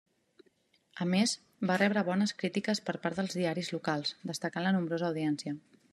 A més, va rebre bones crítiques per part dels diaris locals, destacant la nombrosa audiència.